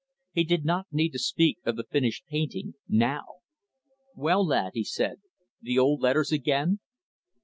He did not need to speak of the finished painting, now. "Well, lad," he said, "the old letters again?"